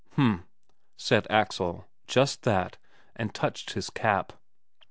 "H'm," said Axel, just that, and touched his cap.